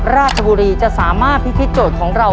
ราชบุรีจะสามารถพิธีโจทย์ของเรา